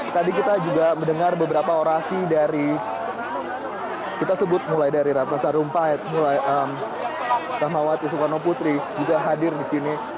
tadi kita juga mendengar beberapa orasi dari kita sebut mulai dari ratna sarumpait mulai rahmawati soekarno putri juga hadir di sini